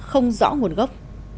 không rõ nguồn gốc